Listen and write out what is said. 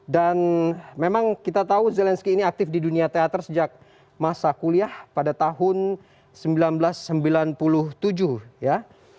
dan memang kita tahu zelensky ini aktif di dunia teater sejak masa kuliah pada tahun seribu sembilan ratus sembilan puluh tujuh ya